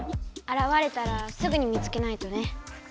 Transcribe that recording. あらわれたらすぐに見つけないとね。